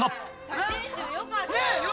写真集よかったよ。